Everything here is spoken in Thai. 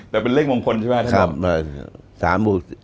แต่เป็นเลขมงคลใช่ไหมท่าน